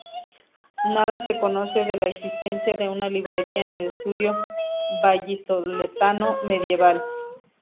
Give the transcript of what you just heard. Nada se conoce de la existencia de una librería en el Estudio vallisoletano medieval.